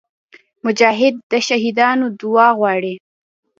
مجاهد د شهیدانو دعا غواړي.